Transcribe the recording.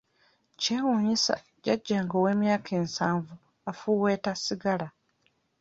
Kyewuunyisa jjajjange ow'emyaka ensavu afuuweeta ssigala.